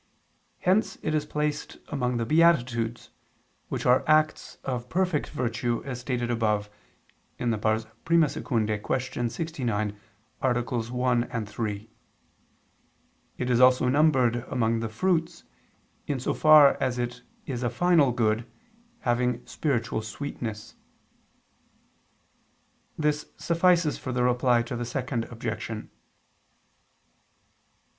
Hence it is placed among the beatitudes, which are acts of perfect virtue, as stated above (I II, Q. 69, AA. 1, 3). It is also numbered among the fruits, in so far as it is a final good, having spiritual sweetness. This suffices for the Reply to the Second Objection.